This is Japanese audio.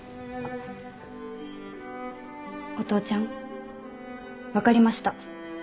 お父ちゃん分かりました。